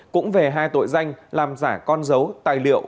cũng về hai tội danh làm giả con dấu tài liệu